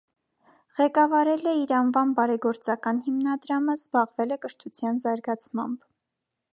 Ղեկավարել է իր անվան բարեգործական հիմնադրամը, զբաղվել է կրթության զարգացմամբ։